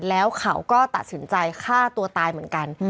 แล้วเขาก็ตัดสินใจฆ่าตัวตายเหมือนกัน